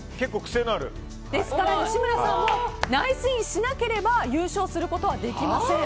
ですから、吉村さんもナイスインしなければ優勝することはできません。